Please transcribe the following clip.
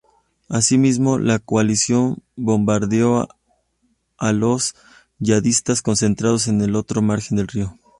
Asimismo, la coalición bombardeó a los yihadistas concentrados en el otro margen del río.